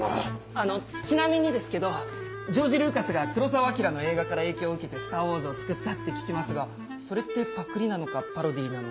あのちなみにですけどジョージ・ルーカスが黒澤明の映画から影響を受けて『スター・ウォーズ』を作ったって聞きますがそれってパクリなのかパロディーなのか。